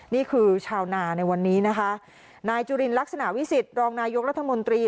นี่คือชาวนาในวันนี้นะคะนายจุลินลักษณะวิสิตรองนายกรัฐมนตรี